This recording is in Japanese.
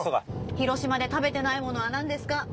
広島で食べてないものはなんですか？